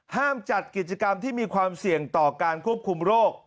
ห้ามจัดกิจกรรมที่มีความเสี่ยงต่อการควบคุมโรค